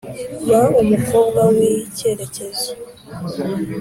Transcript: Ba umukobwa wikerekezo